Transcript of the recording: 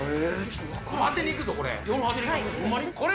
当てにいくぞ、これ。